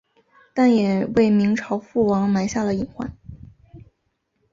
但也为明朝覆亡埋下了隐患。